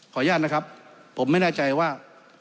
อนุญาตนะครับผมไม่แน่ใจว่า